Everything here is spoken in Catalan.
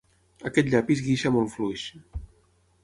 Aquest llapis guixa molt fluix.